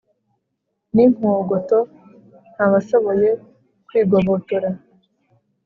n’inkogoto ntawashoboye kwigobotora